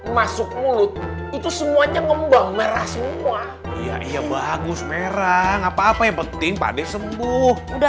masuk mulut itu semuanya ngembang merah semua iya iya bagus merah apa apa yang penting panik sembuh udah